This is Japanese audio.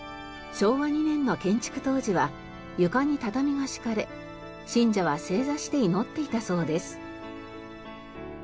昭和２年の建築当時は床に畳が敷かれ信者は正座して祈っていたそうです。